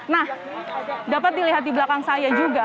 nah dapat dilihat di belakang saya juga